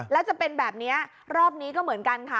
แล้วจะเป็นแบบนี้รอบนี้ก็เหมือนกันค่ะ